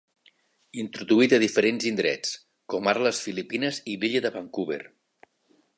Introduït a diferents indrets, com ara les Filipines i l'illa de Vancouver.